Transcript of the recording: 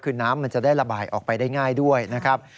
คือน้ำมันจะได้ระบายออกไปได้ง่ายด้วยนะครับ